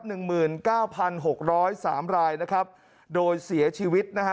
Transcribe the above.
หนึ่งหมื่นเก้าพันหกร้อยสามรายนะครับโดยเสียชีวิตนะฮะ